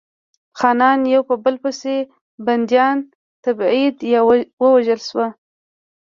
خانان یو په بل پسې بندیان، تبعید یا ووژل شول.